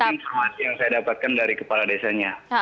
ini informasi yang saya dapatkan dari kepala desanya